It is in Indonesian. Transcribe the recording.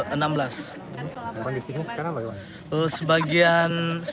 apa yang disini sekarang bagaimana